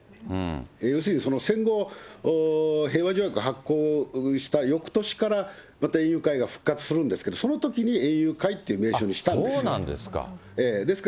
要するに戦後、平和条約発効した翌年から、また園遊会が復活するんですけれども、そのときに園遊会って名称そうなんですか。